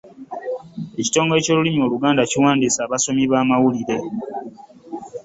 Ekitongole ky'olulimi oluganda kiwandiisa abasomi ba mawulire.